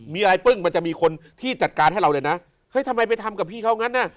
มีอะไรปึ้งมันจะมีคนที่จัดการให้เราเลยนะเฮ้ยทำไมไปทำกับพี่เขางั้นน่ะ